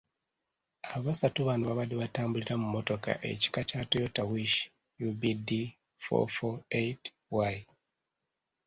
Abasatu bano baabadde batambulira mu mmotoka ekika kya Toyota Wish UBD four four eight Y.